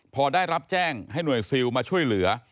พอได้รับแจ้งให้หน่วยซิลมาช่วยเหลือ